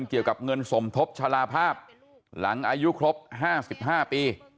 เกี่ยวกับเงินสมทบชาลภาพหลังอายุครบห้าสิบห้าปี